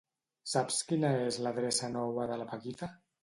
Saps quina és l'adreça nova de la Paquita?